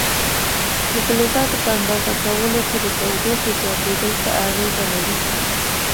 د فلزاتو په اندازه کولو کې د تودوخې زیاتېدل څه اغېزه لري؟